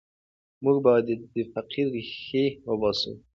موږ باید د فقر ریښې وباسو.